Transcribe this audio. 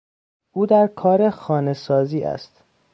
او در کار خانه سازی است.